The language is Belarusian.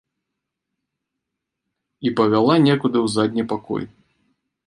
І павяла некуды ў задні пакой.